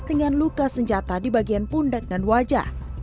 dengan luka senjata di bagian pundak dan wajah